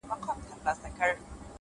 د وخت احترام د ژوند احترام دی!